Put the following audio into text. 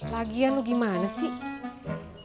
lagian lu gimana sih